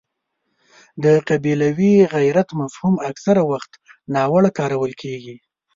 د قبیلوي غیرت مفهوم اکثره وخت ناوړه کارول کېږي.